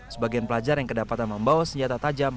sebagian pelajar yang kedapatan membawa senjata tajam